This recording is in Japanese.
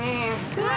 うわ！